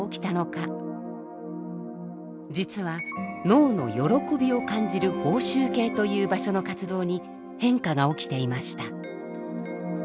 実は脳の喜びを感じる報酬系という場所の活動に変化が起きていました。